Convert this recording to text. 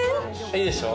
いいでしょ？